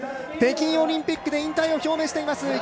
北京オリンピックで引退を表明しています